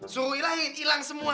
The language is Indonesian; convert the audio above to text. suruh hilangin hilang semua